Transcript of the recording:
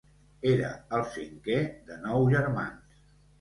Era el cinquè de nou germans.